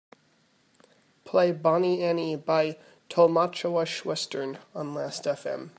Play Bonnie Annie by Tolmatschowa-schwestern on last fm.